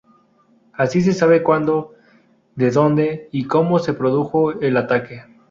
Así se sabe cuándo, de dónde y cómo se produjo el ataque.